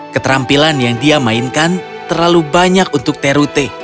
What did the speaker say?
keterampilan yang dia mainkan terlalu banyak untuk terute